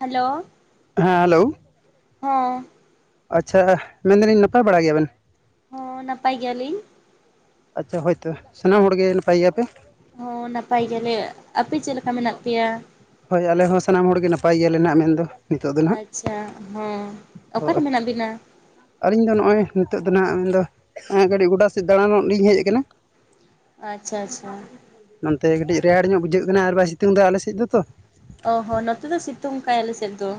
Hello ᱦᱮᱸ hello ᱦᱚᱸᱻ ᱟᱪᱪᱷᱟ ᱢᱮᱱᱫᱟᱞᱤᱧ ᱱᱟᱯᱟᱭ ᱵᱟᱲᱟ ᱜᱮᱭᱟ ᱵᱤᱱ? ᱦᱚᱸ ᱻ ᱱᱟᱯᱟᱭ ᱜᱮᱭᱟ ᱞᱤᱧ᱾ ᱟᱪᱪᱷᱟ ᱦᱳᱭ ᱛᱚ ᱥᱟᱱᱟᱢ ᱦᱚᱲᱜᱮ ᱱᱟᱯᱟᱭ ᱜᱮᱭᱟ ᱯᱮ? ᱦᱚᱸᱻ ᱱᱟᱯᱟᱭ ᱜᱮᱭᱟᱞᱮ, ᱟᱯᱮ ᱪᱮᱫ ᱞᱮᱠᱟ ᱢᱮᱱᱟᱜ ᱯᱮᱭᱟ? ᱦᱳᱭ ᱟᱞᱮ ᱦᱚᱸ ᱥᱟᱱᱟᱢ ᱦᱚᱲᱜᱮ ᱱᱟᱯᱟᱭ ᱜᱮᱭᱟᱞᱮ ᱱᱟᱜ ᱢᱮᱱᱫᱚ᱾ ᱱᱤᱛᱚᱜ ᱫᱚ ᱱᱟᱦᱟᱜ ᱟᱪᱪᱷᱟ ᱦᱚᱸ ᱚᱠᱟᱨᱮ ᱦᱳᱭ ᱢᱮᱱᱟᱜ ᱵᱤᱱᱟ? ᱟᱹᱞᱤᱧ ᱫᱚ ᱱᱚᱜᱼᱚᱭ ᱱᱤᱛᱚᱜ ᱫᱚ ᱱᱟᱦᱟᱜ ᱢᱮᱱᱫᱚ ᱜᱟᱹᱰᱤ ᱜᱚᱰᱟ ᱥᱮᱫ ᱫᱟᱬᱟᱱᱚᱜ ᱞᱤᱧ ᱦᱮᱡ ᱠᱟᱱᱟ᱾ ᱟᱪᱪᱷᱟ ᱟᱪᱪᱷᱟ᱾ ᱱᱚᱱ ᱛᱮ ᱠᱟᱹᱴᱤᱡ ᱨᱮᱭᱟᱲ ᱧᱚᱜ ᱵᱩᱡᱷᱟᱹᱜ ᱠᱟᱱᱟ ᱟᱨ ᱵᱟᱭ ᱥᱤᱛᱩᱝ ᱫᱟ ᱟᱞᱮ ᱥᱮᱫ ᱫᱚ ᱛᱚ᱾ ᱚ ᱦᱚᱸ ᱱᱚᱛᱮ ᱫᱚ ᱥᱤᱛᱩᱝ ᱠᱟᱭ ᱟᱞᱮ ᱥᱮᱫ ᱫᱚ᱾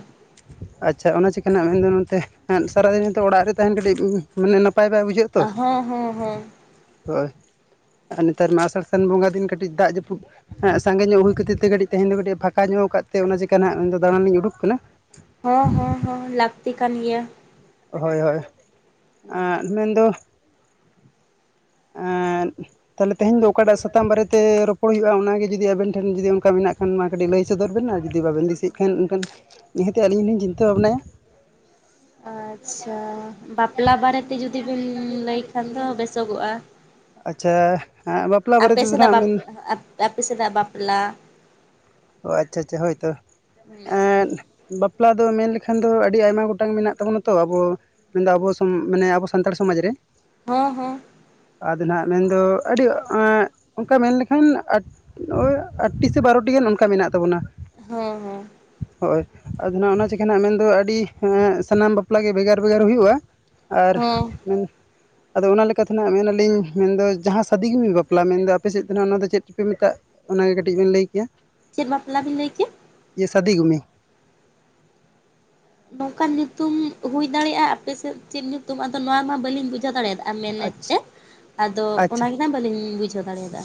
ᱟᱪᱪᱷᱟ ᱚᱱᱟ ᱪᱮᱠᱟ ᱱᱟᱜ ᱢᱮᱱᱫᱚ ᱱᱚᱛᱮ ᱮᱫ ᱥᱟᱨᱟᱫᱤᱱ ᱱᱤᱛᱚᱜ ᱚᱲᱟᱜ ᱨᱮ ᱛᱟᱦᱮᱱ ᱠᱟᱹᱴᱤᱡ ᱢᱟᱱᱮ ᱱᱟᱯᱟᱭ ᱵᱟᱭ ᱵᱩᱡᱷᱟᱹᱜ ᱦᱚᱸᱻᱦᱚᱸ ᱻᱦᱚᱸ ᱦᱳᱭ ᱟᱨ ᱱᱮᱛᱟᱨ ᱢᱟ ᱟᱥᱟᱲ ᱥᱟᱱ ᱵᱚᱸᱜᱟ ᱫᱤᱱ ᱠᱟᱹᱴᱤᱡ ᱫᱟᱜ ᱡᱟᱹᱯᱩᱫ ᱥᱟᱸᱜᱮ ᱧᱚᱜ ᱦᱩᱭ ᱠᱷᱟᱹᱛᱤᱨ ᱛᱮ ᱠᱟᱹᱴᱤᱡ ᱛᱮᱦᱮᱧ ᱫᱚ ᱠᱟᱹᱴᱤᱡ ᱯᱷᱟᱸᱠᱟ ᱧᱚᱜ ᱠᱟᱜ ᱛᱮ ᱚᱱᱟ ᱪᱮᱠᱟ ᱱᱟᱜ ᱢᱮᱱᱫᱚ ᱫᱟᱬᱟᱱ ᱞᱤᱧ ᱩᱰᱩᱠ ᱠᱟᱱᱟ᱾ ᱦᱚᱸᱻᱦᱚᱸᱻᱦᱚᱸ ᱞᱟᱹᱠᱛᱤ ᱠᱟᱱ ᱜᱮᱭᱟ᱾ ᱦᱳᱭ ᱦᱳᱭ ᱮᱜᱻ ᱢᱮᱱᱫᱚ ᱮᱸᱜᱻ ᱛᱟᱦᱚᱞᱮ ᱛᱮᱦᱮᱧ ᱫᱚ ᱚᱠᱟᱴᱟᱜ ᱥᱟᱛᱟᱢ ᱵᱟᱨᱮ ᱛᱮ ᱨᱚᱯᱚᱲ ᱦᱩᱭᱩᱜᱼᱟ, ᱚᱱᱟᱜᱮ ᱡᱩᱫᱤ ᱟᱵᱤᱱ ᱴᱷᱮᱱ ᱡᱩᱫᱤ ᱚᱱᱠᱟ ᱢᱮᱱᱟᱜ ᱠᱷᱟᱱ ᱢᱟ ᱠᱟᱹᱴᱤᱡ ᱞᱟᱹᱭ ᱥᱚᱫᱚᱨ ᱵᱤᱱ ᱟᱨ ᱡᱩᱫᱤ ᱵᱟᱵᱤᱱ ᱫᱤᱥᱟᱹᱭᱮᱜ ᱠᱷᱟᱱ ᱚᱱᱠᱟᱱ ᱱᱤᱦᱟᱹᱛᱮ ᱟᱹᱞᱤᱧ ᱞᱤᱧ ᱪᱤᱱᱛᱟᱹ ᱵᱷᱟᱵᱱᱟᱭᱟ᱾ ᱟᱪᱪᱷᱟ ᱵᱟᱯᱞᱟ ᱵᱟᱨᱮᱛᱮ ᱡᱩᱫᱤ ᱵᱤᱱ ᱞᱟᱹᱭ ᱠᱷᱟᱱ ᱫᱚ ᱵᱮᱥᱚᱜᱚᱜ-ᱟ᱾ ᱟᱪᱪᱷᱟ ᱦᱟᱸᱜ ᱵᱟᱯᱞᱟ ᱵᱟᱨᱮ ᱛᱮᱫᱚ ᱥᱮᱫᱟᱜ ᱱᱟᱸᱜ ᱢᱮᱱ ᱵᱟᱯᱞᱟ ᱟᱯᱮ ᱥᱮᱫᱟᱜ ᱵᱟᱯᱞᱟ ᱚ ᱟᱪᱪᱷᱟ ᱟᱪᱪᱷᱟ ᱦᱳᱭᱛᱚ᱾ ᱮᱫᱻ ᱵᱟᱯᱞᱟ ᱫᱚ ᱢᱮᱱ ᱞᱮᱠᱷᱟᱱ ᱫᱚ ᱟᱹᱰᱤ ᱟᱭᱢᱟ ᱜᱚᱴᱟᱝ ᱢᱮᱱᱟᱜ ᱛᱟᱵᱚᱱᱟ ᱛᱚ ᱟᱵᱚ ᱢᱮᱱᱫᱚ ᱟᱵᱚ ᱥᱚᱢ ᱢᱟᱱᱮ ᱟᱵᱚ ᱥᱟᱱᱛᱟᱲ ᱥᱚᱢᱟᱡᱽ ᱨᱮ᱾ [inaudible] ᱟᱫᱚ ᱱᱟᱜ ᱢᱮᱱᱫᱚ ᱟᱹᱰᱤ ᱮᱜ ᱚᱱᱠᱟ ᱢᱮᱱ ᱞᱮᱠᱷᱟᱱ ᱟᱰ ᱳᱭ ᱟᱴ ᱴᱤ ᱥᱮ ᱵᱟᱨᱚᱴᱤ ᱜᱟᱱ ᱚᱱᱠᱟ ᱢᱮᱱᱟᱜ ᱛᱟᱵᱚᱱᱟ᱾ ᱦᱩᱸ ᱦᱩᱸ ᱦᱳᱭ ᱟᱫᱚ ᱱᱟᱸᱜ ᱚᱱᱟ ᱪᱤᱠᱮ ᱱᱟᱜ ᱢᱮᱱᱫᱚ ᱟᱹᱰᱤ ᱮᱜ ᱥᱟᱱᱟᱢ ᱵᱟᱯᱞᱟ ᱜᱮ ᱵᱷᱮᱜᱟᱨ ᱵᱷᱮᱜᱟᱨ ᱦᱩᱭᱩᱜᱼᱟ᱾ ᱟᱨ ᱦᱚᱸ ᱟᱫᱚ ᱚᱱᱟ ᱞᱮᱠᱟᱛᱮ ᱱᱟᱸᱜ ᱢᱮᱱᱟᱞᱤᱧ ᱢᱮᱱᱫᱚ ᱡᱟᱦᱟᱸ ᱥᱟᱫᱤ ᱜᱮᱵᱤᱱ ᱵᱟᱯᱞᱟ ᱢᱮᱱᱫᱚ ᱟᱯᱮ ᱥᱮᱫ ᱫᱚ ᱱᱟᱸᱜ ᱚᱱᱟ ᱫᱚ ᱪᱮᱫ ᱪᱚᱯᱮ ᱢᱮᱛᱟᱜ ᱚᱱᱟᱜᱮ ᱠᱟᱹᱴᱤᱡ ᱵᱤᱱ ᱞᱟᱹᱭ ᱠᱮᱭᱟ ᱾ ᱪᱮᱫ ᱵᱟᱯᱞᱟ ᱵᱤᱱ ᱞᱟᱹᱭ ᱠᱮᱫ? [inaudible] ᱱᱚᱝᱠᱟᱱ ᱧᱩᱛᱩᱢ ᱦᱩᱭ ᱫᱟᱲᱮᱜ-ᱟ, ᱟᱯᱮ ᱥᱮᱫ ᱪᱮᱫ ᱧᱩᱛᱩᱢ ᱟᱫᱚ ᱱᱚᱣᱟ ᱢᱟ ᱵᱟᱹᱞᱤᱧ ᱵᱩᱡᱷᱟᱹᱣ ᱫᱟᱲᱮᱭᱟᱫᱟ ᱾ ᱢᱮᱱᱮᱫ ᱟᱪᱪᱷᱟ ᱛᱮᱫ, ᱟᱫᱚ ᱟᱪᱪᱷᱟ ᱚᱱᱟᱜᱮ ᱱᱟᱦᱟᱜ ᱵᱟᱹᱞᱤᱧ ᱵᱩᱡᱷᱟᱹᱣ ᱫᱟᱲᱮᱭᱟᱫᱟ᱾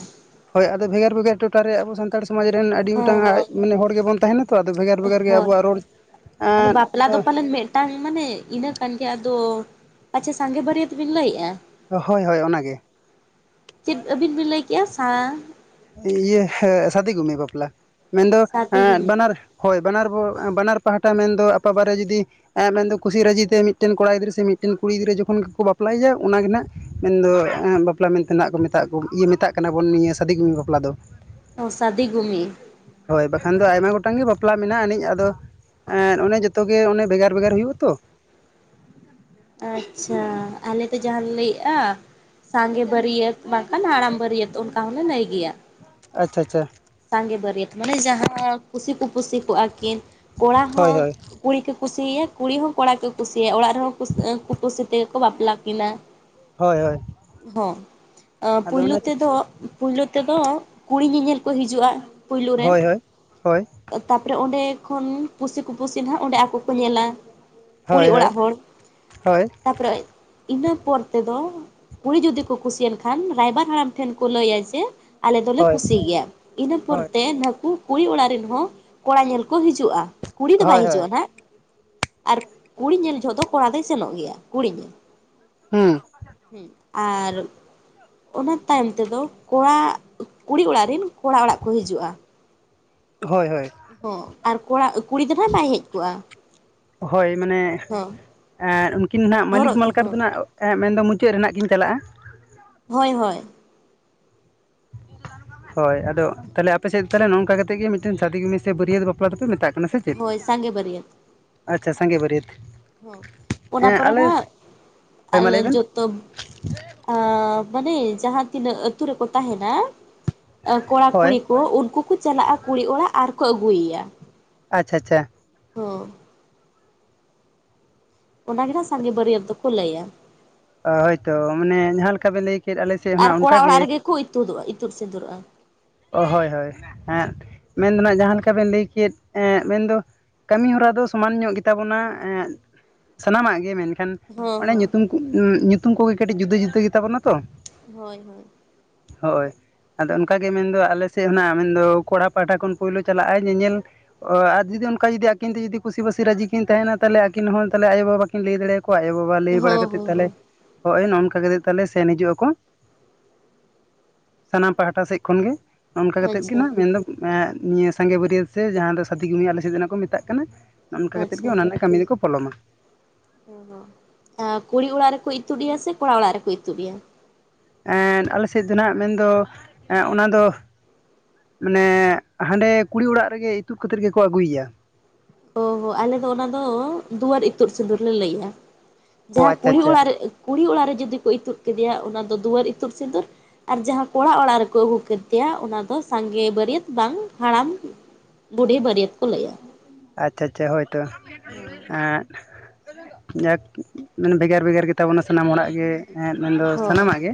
ᱦᱳᱭ ᱟᱫᱚ ᱵᱷᱮᱜᱟᱨ ᱵᱷᱮᱜᱟᱨ ᱴᱚᱴᱷᱟ ᱨᱮ ᱟᱵᱚ ᱥᱟᱱᱛᱟᱲ ᱥᱚᱢᱟᱡᱽ ᱨᱮᱱ ᱟᱹᱰᱤ ᱦᱮᱸ ᱜᱚᱴᱟᱝ ᱟᱡ ᱦᱮᱸ ᱢᱟᱱᱮ ᱦᱚᱲ ᱜᱮᱵᱚᱱ ᱛᱟᱦᱮᱱᱟ ᱛᱚ ᱟᱫᱚ ᱵᱷᱮᱜᱟᱨ ᱵᱷᱮᱜᱟᱨ ᱜᱮ ᱦᱳᱭ ᱟᱵᱚᱣᱟᱜ ᱨᱚᱲ ᱮᱸ ᱚᱸ ᱴᱟᱝ ᱢᱟᱱᱮ ᱤᱱᱟᱹ ᱠᱟᱱ ᱜᱮᱭᱟ ᱟᱫᱚ ᱟᱪᱪᱷᱟ ᱥᱟᱸᱜᱮ ᱵᱟᱹᱨᱤᱭᱟᱹᱛ ᱵᱤᱱ ᱞᱟᱹᱭᱮᱜᱼᱟ ᱦᱳᱭ ᱦᱳᱭ ᱚᱱᱟ ᱜᱮ ᱾ ᱪᱤᱫ ᱟᱹᱵᱤᱱ ᱵᱤᱱ ᱞᱟᱹᱭ ᱠᱮᱜᱼᱟ ᱥᱟᱸ ᱤᱭᱟᱹ ᱦᱮ ᱥᱟᱫᱤ ᱜᱩᱱᱤ ᱵᱟᱯᱞᱟ ᱢᱮᱱᱫᱚ ᱥᱟᱫᱤ ᱚᱸ ᱜᱩᱢᱤ ᱵᱟᱱᱟᱨ ᱦᱳᱭ ᱵᱟᱱᱟᱨ ᱵᱳ ᱮᱸ ᱵᱟᱱᱟᱨ ᱯᱟᱦᱴᱟ ᱢᱮᱱᱫᱚ ᱟᱯᱟ ᱵᱟᱨᱮ ᱡᱩᱫᱤ ᱮᱸ ᱢᱮᱱᱫᱚ ᱠᱩᱥᱤ ᱨᱟᱹᱡᱤ ᱛᱮ ᱢᱤᱫᱴᱮᱱ ᱠᱚᱲᱟ ᱜᱤᱫᱽᱨᱟᱹ ᱥᱮ ᱢᱤᱫᱴᱮᱱ ᱠᱩᱲᱤ ᱜᱤᱫᱽᱨᱟᱹ ᱡᱚᱠᱷᱚᱱ ᱜᱮᱠᱚ ᱵᱟᱯᱞᱟᱭᱟ ᱚᱱᱟ ᱜᱮ ᱱᱟᱸᱜ ᱢᱮᱱᱫᱚ ᱮᱸ ᱵᱟᱯᱞᱟ ᱢᱮᱱᱛᱮ ᱱᱟᱸᱜ ᱠᱚ ᱢᱮᱛᱟᱜ ᱠᱚ ᱤᱭᱟᱹ ᱢᱮᱛᱟᱜ ᱠᱟᱱᱟ ᱵᱚᱱ ᱱᱤᱭᱟᱹ ᱥᱟᱫᱤ ᱜᱩᱢᱤ ᱵᱟᱯᱞᱟ ᱫᱚ᱾ ᱚ ᱥᱟᱫᱤ ᱜᱩᱢᱤ ᱦᱳᱭ ᱵᱟᱠᱷᱟᱱ ᱫᱚ ᱟᱭᱢᱟ ᱜᱚᱴᱟᱝ ᱜᱮ ᱵᱟᱯᱞᱟ ᱢᱮᱱᱟᱜ ᱟᱹᱱᱤᱡ ᱟᱫᱚ ᱮᱸ ᱚᱱᱮ ᱡᱚᱛᱚ ᱜᱮ ᱚᱱᱮ ᱵᱷᱮᱜᱟᱨ ᱵᱷᱮᱜᱟᱨ ᱦᱩᱭᱩᱜᱼᱟ ᱛᱚ ᱟᱪᱪᱷᱟ ᱟᱞᱮ ᱛᱚ ᱡᱟᱦᱟᱸ ᱞᱮ ᱞᱟᱹᱭᱮᱜᱼᱟ ᱥᱟᱸᱜᱮ ᱵᱟᱨᱤᱭᱟᱹᱛ ᱵᱟᱝᱠᱷᱟᱱ ᱦᱟᱲᱟᱢ ᱵᱟᱨᱤᱭᱟᱹᱛ ᱚᱱᱠᱟ ᱦᱚᱸᱞᱮ ᱱᱟᱹᱭ ᱜᱮᱭᱟ ᱾ ᱟᱪᱪᱷᱟ ᱟᱪᱪᱷᱟ ᱾ ᱥᱟᱸᱜᱮ ᱵᱟᱹᱨᱭᱟᱹᱛ ᱢᱟᱱᱮ ᱡᱟᱦᱟᱸ ᱠᱩᱥᱤ ᱯᱩᱯᱩᱥᱤ ᱛᱚᱜᱼᱟᱠᱤᱱ ᱠᱚᱲᱟ ᱦᱳᱭ ᱦᱚᱸ ᱦᱳᱭ ᱠᱩᱲᱤ ᱠᱩ ᱠᱩᱥᱤ ᱟᱭᱟ ᱠᱩᱲᱤ ᱦᱚᱸ ᱠᱚᱲᱟ ᱠᱚ ᱠᱩᱥᱤ ᱟᱭᱟ ᱚᱲᱟᱜ ᱨᱮᱦᱚᱸ ᱠᱩᱥ ᱠᱩᱯᱟᱹᱥᱤ ᱛᱮᱜᱮ ᱠᱚ ᱵᱟᱯᱞᱟ ᱠᱤᱱᱟ᱾ ᱦᱳᱭ ᱦᱳᱭ [inaudible] ᱦᱚᱸ ᱟᱸ ᱟᱫᱚ ᱯᱩᱭᱞᱩ ᱚᱱᱟ ᱪᱤᱠᱟᱹ ᱛᱮᱫᱚ ᱯᱩᱭᱞᱩ ᱛᱮᱫᱚ ᱠᱩᱲᱤ ᱧᱮᱧᱮᱞ ᱠᱚ ᱦᱤᱡᱩᱜᱼᱟ ᱯᱩᱭᱞᱩ ᱨᱮ ᱦᱳᱭ ᱦᱳᱭ ᱦᱳᱭ ᱛᱟᱯᱚᱨᱮ ᱚᱸᱰᱮ ᱠᱷᱚᱱ ᱯᱩᱥᱤ ᱠᱩᱯᱩᱥᱤ ᱱᱟᱦᱟᱸᱜ ᱚᱸᱰᱮ ᱟᱠᱚ ᱠᱚ ᱧᱮᱞᱟ ᱠᱩᱲᱤ ᱦᱳᱭ ᱦᱳᱭ ᱚᱲᱟᱜ ᱦᱚᱲ ᱦᱳᱭ ᱛᱟᱯᱚᱨᱮ ᱤᱱᱟᱹ ᱯᱚᱨ ᱛᱮᱫᱚ ᱠᱩᱲᱤ ᱡᱩᱫᱤ ᱠᱚ ᱠᱩᱥᱤᱭᱮᱱ ᱠᱷᱟᱱ ᱨᱟᱭᱵᱟᱨ ᱦᱟᱲᱟᱢ ᱴᱷᱮᱱ ᱠᱚ ᱞᱟᱹᱭᱟ ᱡᱮ ᱟᱞᱮ ᱫᱚᱞᱮ ᱦᱳᱭ ᱦᱳᱭ ᱠᱩᱥᱤ ᱜᱮᱭᱟ ᱤᱱᱟᱹ ᱦᱳᱭ ᱯᱚᱨᱛᱮ ᱱᱟᱦᱠᱩ ᱠᱩᱲᱤ ᱚᱲᱟᱜ ᱨᱮᱱ ᱦᱚᱸ ᱠᱚᱲᱟ ᱧᱮᱞ ᱠᱚ ᱦᱤᱡᱩᱜᱼᱟ ᱠᱩᱲᱤ ᱫᱚ ᱵᱟᱭ ᱦᱳᱭ ᱦᱳᱭ ᱦᱤᱡᱩᱜᱼᱟ ᱱᱟᱦᱟᱸᱜ ᱾ ᱟᱨ ᱠᱩᱲᱤ ᱧᱮᱞ ᱡᱚᱦᱚᱜ ᱫᱚ ᱠᱚᱲᱟ ᱫᱚᱭ ᱥᱮᱱᱚᱜ ᱜᱮᱭᱟ ᱠᱩᱲᱤ ᱧᱮᱞ᱾ ᱦᱩᱸ ᱦᱩᱸ ᱟᱨ ᱚᱱᱟ ᱛᱟᱭᱚᱢ ᱛᱮᱫᱚ ᱠᱚᱲᱟ ᱠᱩᱲᱤ ᱚᱲᱟᱜ ᱨᱤᱱ ᱠᱚᱲᱟ ᱚᱲᱟᱜ ᱠᱚ ᱦᱤᱡᱩᱜᱼᱟ᱾ ᱦᱳᱭ ᱦᱳᱭ ᱦᱚᱸ ᱟᱨ ᱠᱚᱲᱟ ᱠᱩᱲᱤ ᱜᱤᱫᱽᱨᱟᱹ ᱵᱟᱭ ᱦᱮᱡ ᱠᱚᱜᱼᱟ᱾ ᱦᱳᱭ ᱢᱟᱱᱮ ᱦᱚᱸ ᱮᱸ ᱩᱱᱠᱤᱱ ᱱᱟᱜ ᱢᱟᱹᱞᱤᱠ ᱦᱚᱨᱚᱜ ᱢᱟᱞᱠᱟᱨ ᱦᱚᱸ ᱫᱚᱦ ᱱᱟᱜ ᱮᱸᱜ ᱢᱮᱱᱫᱚ ᱢᱩᱪᱟᱹᱫ ᱨᱮᱱᱟᱜ ᱠᱤᱧ ᱪᱟᱞᱟᱜᱼᱟ ᱦᱚᱭ ᱦᱚᱭ ᱦᱳᱭ ᱟᱫᱚ ᱛᱟᱦᱚᱞᱮ ᱟᱯᱮᱥᱮᱫ ᱛᱟᱦᱚᱞᱮ ᱱᱚᱝᱠᱟ ᱠᱟᱛᱮᱜ ᱜᱮ ᱢᱤᱫᱴᱮᱱ ᱥᱟᱫᱤ ᱜᱩᱢᱤ ᱥᱮ ᱵᱟᱹᱨᱭᱟᱹᱛ ᱵᱟᱯᱞᱟ ᱫᱚᱯᱮ ᱢᱮᱛᱟᱜ ᱚᱱᱟ ᱥᱮ ᱪᱮᱫ ᱦᱳᱭ ᱥᱟᱸᱜᱮ ᱵᱟᱹᱨᱭᱟᱹᱛ ᱟᱪᱪᱷᱟ ᱥᱟᱸᱜᱮ ᱵᱟᱹᱨᱭᱟᱹᱛ ᱚᱱᱟ ᱦᱮᱸ ᱯᱚᱨᱮ ᱟᱞᱮ ᱱᱟᱼᱦᱟᱜ ᱦᱳᱭ ᱢᱟ ᱞᱟᱹᱭ ᱟᱞᱮᱞ ᱵᱮᱱ ᱡᱚᱛᱚᱵ ᱟᱸ ᱢᱟᱱᱮ ᱡᱟᱦᱟᱸ ᱛᱤᱱᱟᱹᱜ ᱟᱹᱛᱩ ᱨᱮᱠᱚ ᱛᱟᱦᱮᱱᱟ ᱠᱚᱲᱟ ᱦᱳᱭ ᱠᱩᱲᱤ ᱛᱳ ᱩᱱᱠᱩᱠᱚ ᱪᱟᱞᱟᱜᱼᱟ ᱠᱩᱲᱤ ᱚᱲᱟᱜ ᱟᱨ ᱠᱚ ᱟᱹᱜᱩᱭ ᱮᱭᱟ᱾ ᱟᱪᱷᱟ ᱟᱪᱪᱷᱟ ᱦᱚᱸ ᱚᱱᱟᱜᱮ ᱦᱟᱸᱜ ᱥᱟᱸᱜᱮ ᱵᱟᱹᱨᱭᱟᱹᱛ ᱫᱚᱠᱚ ᱞᱟᱹᱭᱟ ᱚ ᱦᱳᱭᱛᱚ ᱚᱱᱮ ᱡᱟᱦᱟᱸ ᱞᱮᱠᱟ ᱵᱮᱱ ᱞᱟᱹᱭ ᱠᱮ ᱟᱨ ᱠᱚᱲᱟ ᱚᱲᱟᱜ ᱨᱮᱜᱮ ᱠᱚ ᱤᱛᱩᱫᱚᱼᱟ ᱤᱛᱩᱫ ᱥᱸᱤᱫᱩᱨᱚᱜᱼᱟ ᱚ ᱦᱳᱭ ᱦᱳᱭᱸ ᱦᱮᱸᱜ ᱢᱮᱱ ᱫᱚᱦ ᱱᱟᱸᱜ ᱡᱟᱦᱟᱸ ᱞᱮᱠᱟ ᱵᱮᱱ ᱞᱟᱹᱭ ᱠᱮᱫ ᱮᱸᱜ ᱢᱮᱱᱫᱚ ᱠᱟᱹᱢᱤ ᱦᱚᱨᱟ ᱫᱚ ᱥᱚᱢᱟᱱ ᱧᱚᱜ ᱜᱮᱛᱟᱵᱚᱱᱟ ᱮᱸᱜ ᱥᱟᱱᱟᱢᱟᱜ ᱜᱮ ᱢᱮᱱᱠ ᱴᱷᱮᱱ ᱦᱚᱸ ᱚᱱᱮ ᱦᱚᱸ ᱧᱩᱛᱩᱢᱠᱩ ᱧᱩᱛᱩᱢ ᱠᱩᱜᱮ ᱠᱟᱹᱴᱤᱡ ᱡᱩᱫᱟᱹ ᱡᱩᱫᱟᱹ ᱜᱮᱛᱟᱵᱚᱱᱟ ᱛᱚ ᱦᱚᱭ ᱦᱚᱭ ᱦᱳᱭ, ᱟᱫᱚ ᱚᱱᱠᱟᱜᱮ ᱢᱮᱱᱫᱚ ᱟᱞᱮ ᱥᱮᱫ ᱦᱚᱱᱟᱜ ᱢᱮᱱᱫᱚ ᱠᱚᱲᱟ ᱯᱟᱦᱴᱟ ᱠᱷᱚᱱ ᱯᱳᱭᱞᱳ ᱪᱟᱞᱟᱜ ᱧᱮᱧᱮᱞ ᱾ ᱚ ᱟᱨ ᱡᱩᱫᱤ ᱚᱱᱠᱟ ᱡᱩᱫᱤ ᱟᱹᱠᱤᱱ ᱛᱮ ᱡᱩᱫᱤ ᱠᱩᱥᱤᱵᱟᱹᱥᱤ ᱨᱟᱹᱡᱤᱠᱤᱱ ᱛᱟᱦᱮᱱᱟ ᱛᱟᱞᱮ ᱟᱹᱠᱤᱱ ᱦᱚᱸᱛᱟᱦᱚᱞᱮ ᱟᱭᱳᱵᱟᱵᱟ ᱠᱤᱱ ᱞᱟᱹᱭᱟᱲᱮ ᱟᱠᱚ ᱟᱭᱳᱼᱵᱟᱵᱟ ᱞᱟᱹᱭ ᱵᱟᱲᱟ ᱦᱚᱸ ᱠᱟᱛᱮᱫ ᱦᱚᱸ ᱛᱟᱦᱚᱞᱮ ᱦᱚᱸ ᱦᱚᱜᱼᱚᱭ ᱱᱚᱝᱠᱟ ᱠᱟᱛᱮ ᱛᱟᱦᱚᱞᱮ ᱥᱮᱱ ᱦᱤᱡᱩᱜ ᱟᱠᱚ ᱾ ᱥᱟᱱᱟᱢ ᱯᱟᱦᱴᱟ ᱥᱮᱫ ᱠᱷᱚᱱ ᱜᱮ ᱾ ᱱᱚᱚᱱᱚᱝᱠᱟ ᱠᱟᱛᱮ ᱜᱮ ᱟᱪᱪᱷᱟ ᱱᱟᱸᱜ ᱢᱮᱱᱫᱚ ᱮᱸ ᱱᱤᱭᱟᱹ ᱥᱟᱸᱜᱮ ᱵᱟᱹᱨᱭᱟᱹᱛ ᱥᱮ ᱡᱟᱦᱟᱸ ᱫᱚ ᱥᱟᱛᱤᱩ ᱟᱞᱮ ᱥᱮᱫ ᱫᱚ ᱠᱚ ᱢᱮᱛᱟᱜ ᱠᱟᱱᱟ ᱾ ᱱᱚᱜ ᱚ ᱱᱚᱝᱠᱟ ᱠᱟ ᱠᱟᱛᱮᱜ ᱟᱪᱪᱷᱟ ᱚᱱᱟ ᱨᱮᱱᱟᱜ ᱠᱟᱹᱢᱤ ᱫᱚᱠᱚ ᱯᱷᱚᱞᱚᱢᱟ ᱾ ᱟ ᱠᱩᱲᱤ ᱚᱲᱟᱜ ᱨᱮᱠᱩ ᱤᱛᱩᱫ ᱮᱭᱟ ᱥᱮ ᱠᱚᱲᱟ ᱚᱲᱟᱜ ᱨᱮᱠᱩ ᱤᱛᱩᱫ ᱮᱭᱟ? ᱮᱸᱜ ᱟᱞᱮ ᱥᱮᱫᱚ ᱱᱟᱸᱜ ᱢᱮᱱᱫᱚ ᱚᱱᱟ ᱫᱚ ᱢᱟᱱᱮ ᱦᱟᱸᱰᱮ ᱠᱩᱲᱤ ᱚᱲᱟᱜ ᱨᱮᱜᱮ ᱤᱛᱩᱫ ᱠᱟᱛᱮᱫ ᱜᱮᱠᱚ ᱟᱹᱜᱩᱭᱭᱟ ᱾ ᱳᱦᱳ ᱟᱞᱮ ᱫᱚ ᱚᱱᱟ ᱫᱚ ᱫᱩᱣᱟᱹᱨ ᱤᱛᱩᱫ ᱥᱤᱸᱫᱩᱨ ᱞᱮ ᱞᱟᱹᱭᱟ ᱾ ᱚ ᱡᱟᱦᱟᱸ ᱟᱪᱪᱷᱟ ᱠᱩᱲᱤ ᱟᱪᱪᱷᱟ ᱚᱲᱟᱜ ᱨᱮ ᱠᱩᱲᱤ ᱚᱲᱟᱜ ᱨᱮ ᱡᱩᱫᱤ ᱠᱩ ᱤᱛᱩᱫ ᱠᱮᱫᱮᱭᱟ ᱚᱱᱟ ᱫᱚ ᱫᱩᱣᱟᱹᱨ ᱤᱛᱩᱫ ᱥᱤᱸᱫᱩᱨ ᱾ ᱟᱨ ᱡᱟᱦᱟᱸ ᱠᱚᱲᱟ ᱚᱲᱟᱜ ᱨᱮᱠᱚ ᱟᱹᱜᱩ ᱠᱮᱛᱮᱭᱟ ᱚᱱᱟ ᱫᱚ ᱥᱟᱸᱜᱮ ᱵᱟᱹᱨᱭᱟᱹᱛ ᱵᱟᱝ ᱦᱟᱬᱟᱢ ᱵᱩᱰᱦᱷᱤ ᱵᱟᱹᱨᱭᱟᱹᱛ ᱠᱚ ᱞᱟᱹᱭᱟ ᱾ ᱟᱪᱪᱷᱟ ᱟᱪᱪᱷᱟ ᱦᱳᱭᱛᱚ ᱮᱸᱜ ᱾ ᱡᱟᱠᱷ ᱢᱟᱱᱮ ᱵᱷᱮᱜᱟᱨ ᱵᱷᱮᱜᱟᱨ ᱜᱮᱛᱟᱵᱚᱱᱟ ᱥᱟᱱᱟᱢ ᱦᱚᱲᱟᱜ ᱜᱮ ᱾ ᱦᱮᱸ ᱢᱮᱱᱫᱚ ᱦᱳᱭ ᱥᱟᱱᱟᱢᱟᱜ ᱜᱮ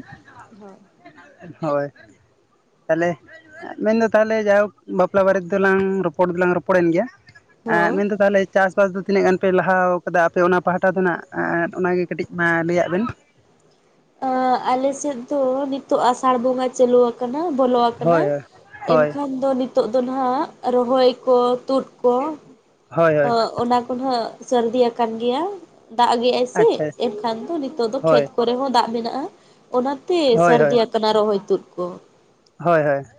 ᱦᱚᱭ ᱾ ᱛᱟᱦᱚᱞᱮ ᱢᱮᱱᱫᱚ ᱛᱟᱦᱚᱞᱮ ᱡᱟᱭᱦᱳᱠᱷ ᱵᱟᱯᱞᱟ ᱵᱟᱨᱮ ᱫᱚᱞᱟᱝ ᱨᱚᱯᱚᱲ ᱫᱚᱞᱟᱝ ᱨᱚᱯᱚᱲᱮᱱ ᱜᱮᱭᱟ ᱾ ᱟᱸᱜ ᱦᱚᱸ ᱢᱮᱱᱫᱚ ᱛᱟᱞᱮᱡ ᱪᱟᱥᱵᱟᱥ ᱫᱚ ᱛᱤᱱᱟᱹᱜ ᱜᱟᱱ ᱯᱮ ᱞᱟᱦᱟᱣ ᱟᱠᱟᱫᱟ ᱟᱯᱮ ᱚᱱᱟ ᱯᱟᱦᱴᱟ ᱫᱚᱱᱟᱜ ᱚᱱᱟᱜᱮ ᱠᱟᱹᱴᱤᱡ ᱢᱟ ᱞᱟᱹᱭᱟᱫ ᱵᱮᱱ? ᱟᱸ ᱟᱞᱮᱥᱮᱫ ᱫᱚ ᱱᱤᱛᱚᱜ ᱟᱥᱟᱲ ᱵᱚᱸᱜᱟ ᱪᱟᱹᱞᱩᱣᱟ ᱵᱚᱞᱚ ᱣᱟᱠᱟᱱᱟ ᱦᱳᱭ ᱦᱳᱭ ᱮᱱᱠᱷᱟᱱ ᱫᱚ ᱱᱤᱛ ᱾ ᱛᱚᱜ ᱫᱚᱱᱟᱟᱜ ᱨᱚᱦᱚᱭ ᱠᱚ ᱛᱩᱫ ᱠᱚ ᱦᱳᱭ ᱦᱳᱭ ᱟᱸ ᱚᱱᱟ ᱾ ᱛᱚᱦᱟᱸᱜ ᱥᱟᱹᱨᱫᱤᱭᱟ ᱟᱠᱟᱱ ᱜᱮᱭᱟ ᱫᱟᱜ ᱜᱮᱟᱭ ᱥᱮ ᱟᱪᱪᱷᱟ ᱮᱱᱠᱷᱟᱱ ᱫᱚ ᱱᱤᱛᱚᱜ ᱫᱚ ᱦᱳᱭ ᱠᱷᱮᱛ ᱠᱚᱨᱮ ᱦᱚᱸ ᱫᱟᱜ ᱾ ᱢᱮᱱᱟᱜᱼᱟ ᱚᱱᱟᱛᱮ ᱦᱳᱭ ᱥᱟᱹᱨᱫᱤᱭᱟᱠᱟᱱᱟ ᱨᱚᱦᱚᱭ ᱛᱩᱫ ᱠᱚ ᱾ ᱦᱚᱭ ᱦᱚᱭ ᱾